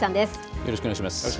よろしくお願いします。